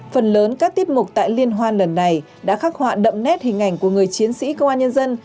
phần lớn các tiết mục tại liên hoan lần này đã khắc họa đậm nét hình ảnh của người chiến sĩ công an nhân dân